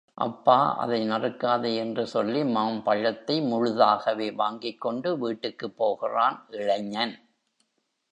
அப்பா, அதை நறுக்காதே என்று சொல்லி மாம்பழத்தை முழுதாகவே வாங்கிக் கொண்டு வீட்டுக்குப் போகிறான் இளைஞன்.